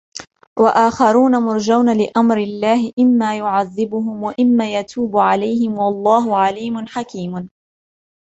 وَآخَرُونَ مُرْجَوْنَ لِأَمْرِ اللَّهِ إِمَّا يُعَذِّبُهُمْ وَإِمَّا يَتُوبُ عَلَيْهِمْ وَاللَّهُ عَلِيمٌ حَكِيمٌ